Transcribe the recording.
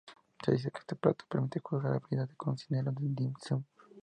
Se dice que este plato permite juzgar la habilidad de un cocinero "dim sum".